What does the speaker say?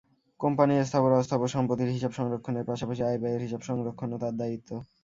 কোম্পানির স্থাবর-অস্থাবর সম্পত্তির হিসাব সংরক্ষণের পাশাপাশি আয়-ব্যয়ের হিসাব সংরক্ষণও তাঁর দায়িত্ব।